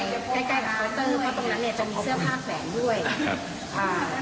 ใกล้กับเคาเตอร์เพราะตรงนั้นจะมีเสื้อผ้าแขวนด้วย